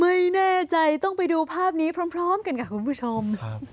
ไม่แน่ใจต้องไปดูภาพนี้พร้อมกันค่ะคุณผู้ชม